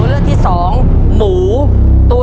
ชุดที่๔ห้อชุดที่๔